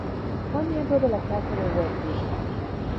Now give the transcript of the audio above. Fue miembro de la casa de Wettin.